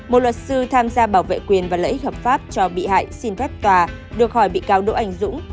một luật sư tham gia bảo vệ quyền và lợi ích hợp pháp cho bị hại xin phép tòa được hỏi bị cáo đỗ anh dũng